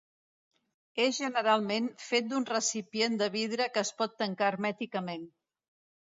És generalment fet d'un recipient de vidre que es pot tancar hermèticament.